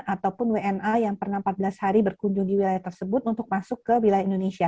ataupun wna yang pernah empat belas hari berkunjung di wilayah tersebut untuk masuk ke wilayah indonesia